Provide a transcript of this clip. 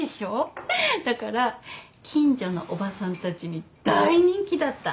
だから近所のおばさんたちに大人気だった。